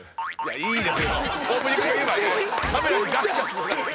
いいです。